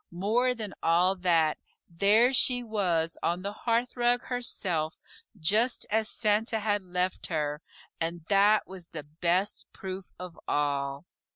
More than all that, there she was on the hearth rug herself, just as Santa had left her, and that was the best proof of all.